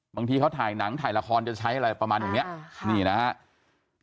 บางทีเขาถ่ายหนังถ่ายละครจะใช้อะไรประมาณอย่างนี้นี่นะครับ